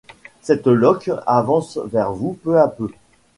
Cette loque avance vers vous peu à peu.